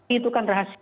itu kan rahasia